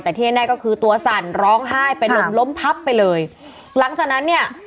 แต่ที่แน่ก็คือตัวสั่นร้องไห้เป็นลมล้มพับไปเลยหลังจากนั้นเนี่ย